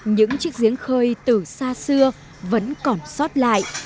những chiếc giếng khơi từ xa xưa vẫn còn sót lại